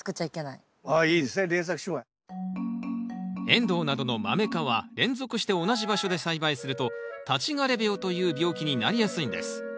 エンドウなどのマメ科は連続して同じ場所で栽培すると立枯病という病気になりやすいんです。